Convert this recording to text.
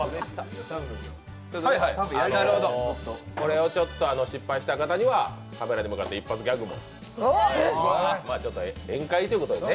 これを失敗した方には、カメラに向かって一発ギャグでも。